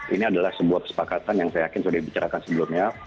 ini adalah sebuah kesepakatan yang saya yakin sudah dibicarakan sebelumnya